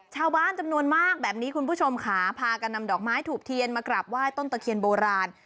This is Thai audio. ชาวบ้านจำนวนมากแบบนี้คุณผู้ชมค่ะพากันนำดอกไม้ถูกเทียนมากราบไหว้ต้นตะเคียนโบราณ